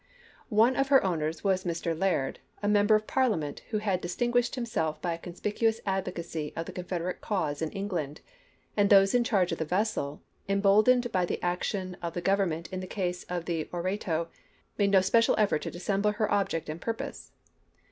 One of her owners was Mr. Laird, a Member of Parliament who had distinguished himself by a conspicuous advocacy of the Confederate cause in England, and those in charge of the vessel, embold ened by the action of the Government in the case of the Oreto, made no special effort to dissemble her object and purpose.